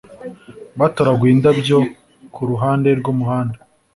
batoraguye indabyo ku ruhande rw'umuhanda